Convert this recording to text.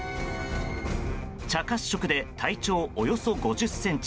茶褐色で体長およそ５０ｃｍ。